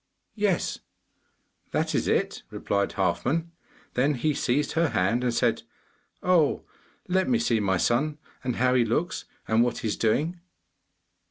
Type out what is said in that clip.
'Yes, that is it,' replied Halfman. Then he seized her hand and said, 'Oh, let me see my son, and how he looks, and what he is doing.